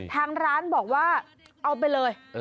ทางร้านบอกว่าเอาไปเลย